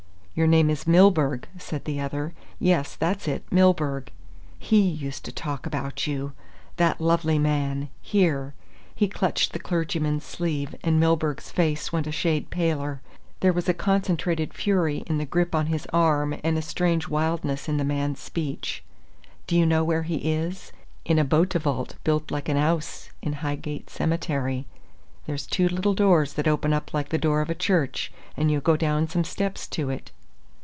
"Your name is Milburgh," said the other. "Yes, that's it, Milburgh. He used to talk about you! That lovely man here!" He clutched the clergyman's sleeve and Milburgh's face went a shade paler. There was a concentrated fury in the grip on his arm and a strange wildness in the man's speech. "Do you know where he is? In a beautivault built like an 'ouse in Highgate Cemetery. There's two little doors that open like the door of a church, and you go down some steps to it."